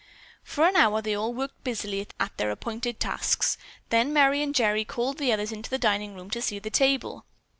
For an hour they all worked busily at their appointed tasks; then Merry and Gerry called the others into the dining room to see the table.